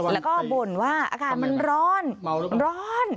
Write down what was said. แล้วก็บ่นว่าอากาศมันร้อนร้อน